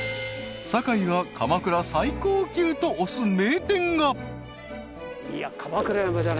［堺が鎌倉最高級と推す名店が］